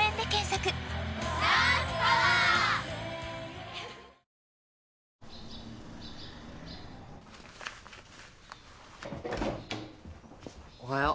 あおはよう。